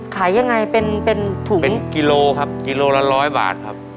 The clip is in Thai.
ขายยังไงเป็นเป็นถุงเป็นกิโลครับกิโลละร้อยบาทครับ